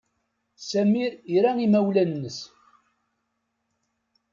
Sami ira imawlan-nnes.